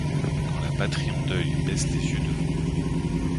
Quand la Patrie en deuil baisse les yeux devant